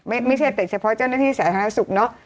ไม่ใช่เป็นเฉพาะเจ้าหน้าที่สาธารณสุขเนอะ